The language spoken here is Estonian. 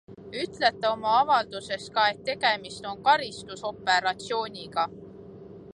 Ütlete oma avalduses ka, et tegemist on karistusoperatsiooniga.